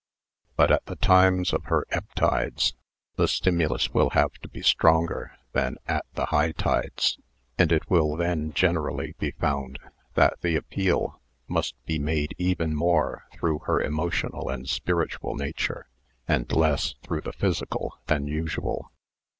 But at the times of her ebb tides the stimulus will have to be stronger than at the high tides, and it will then generally be found that the appeal must be made even more through her emotional and spiritual nature and less through the physical than usual.